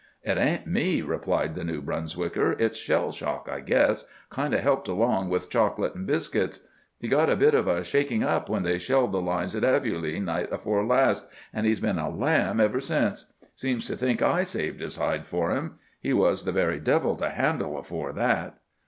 "It ain't me," replied the New Brunswicker. "It's shell shock, I guess, kind of helped along with chocolate an' biscuits. He got a bit of a shaking up when they shelled the lines at Aveluy night afore last, an' he's been a lamb ever since. Seems to think I saved his hide for him. He was the very devil to handle afore that."